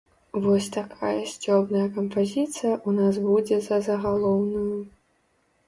Вось такая сцёбная кампазіцыя ў нас будзе за загалоўную.